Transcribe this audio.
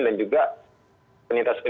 dan juga penintas penintas yang lain